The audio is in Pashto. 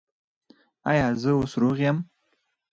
ایا زه اوس روغ یم؟